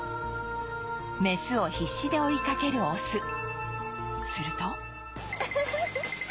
メスを必死で追いかけるオスすると